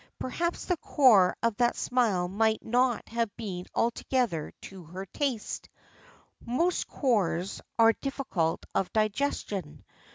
Perhaps the core of that smile might not have been altogether to her taste most cores are difficult of digestion.